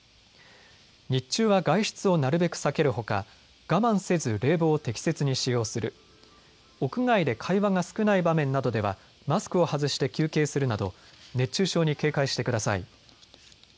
日中は外出をなるべく避けるほか我慢せず冷房を適切に使用する、屋外で会話が少ない場面などではマスクを外して休憩するなど熱中症に警戒してください。